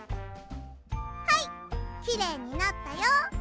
はいきれいになったよ。